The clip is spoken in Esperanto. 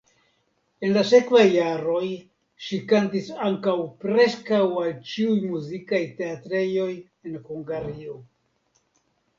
En la sekvaj jaroj ŝi kantis ankaŭ preskaŭ al ĉiuj muzikaj teatrejoj en Hungario.